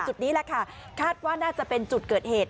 จุดนี้แหละค่ะคาดว่าน่าจะเป็นจุดเกิดเหตุ